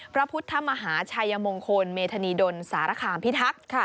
พระพุทธมหาชัยมงคลเมธานีดลสารคามพิทักษ์